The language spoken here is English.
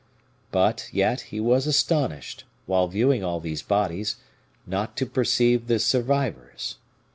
But yet, he was astonished, while viewing all these bodies, not to perceive the survivors.